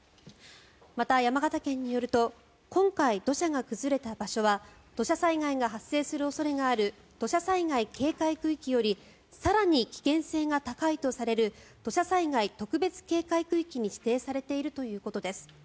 また、山形県によると今回、土砂が崩れた場所は土砂災害が発生する恐れがある土砂災害警戒区域より更に危険性が高いとされる土砂災害特別警戒区域に指定されているということです。